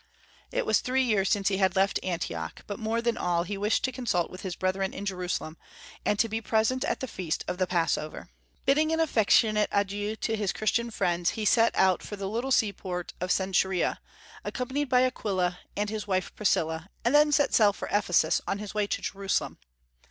It was three years since he had left Antioch. But more than all, he wished to consult with his brethren in Jerusalem, and to be present at the feast of the Passover. Bidding an affectionate adieu to his Christian friends, he set out for the little seaport of Cenchrea, accompanied by Aquila and his wife Priscilla, and then set sail for Ephesus, on his way to Jerusalem.